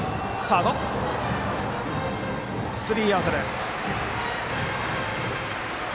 スリーアウトです。